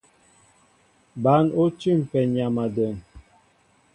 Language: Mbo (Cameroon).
Bǎn ó tʉ̂mpɛ nyam a dəŋ.